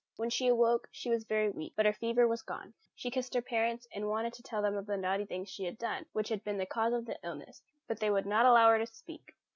When she awoke, she was very weak, but her fever was gone. She kissed her parents, and wanted to tell them of the naughty things she had done, which had been the cause of the illness, but they would not allow her to speak.